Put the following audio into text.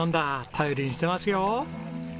頼りにしてますよ！